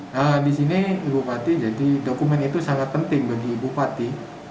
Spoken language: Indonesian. nah di sini bupati jadi dokumen itu sangat penting bagi bupati